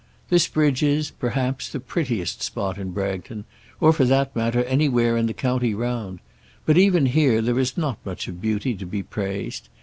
This bridge is, perhaps, the prettiest spot in Bragton, or, for that matter, anywhere in the county round; but even here there is not much of beauty to be praised.